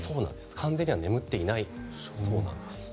完全には眠っていないそうです。